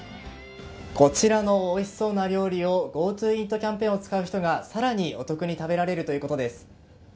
こちらのおいしそうな料理をＧｏＴｏイートキャンペーンを使う人が更にお得に食べられるということです。